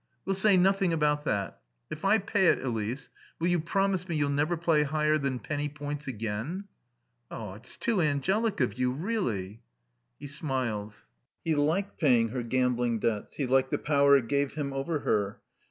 "We'll say nothing about that. If I pay it, Elise, will you promise me you'll never play higher than penny points again?" "It's too angelic of you, really." He smiled. He liked paying her gambling debts. He liked the power it gave him over her.